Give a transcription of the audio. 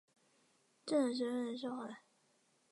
正德十六年赦还。